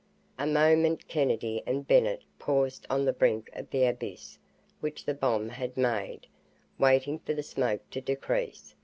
A moment Kennedy and Bennett paused on the brink of the abyss which the bomb had made, waiting for the smoke to decrease.